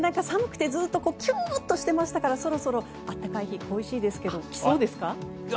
寒くてずっとキューッとしていましたからそろそろ暖かい日が恋しいですけど来そうですか？